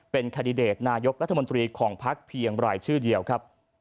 เป็นแคนดิเดตนายกรัฐมนตรีของพักเพียงรายชื่อเดียวครับ